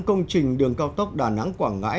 công trình đường cao tốc đà nẵng quảng ngãi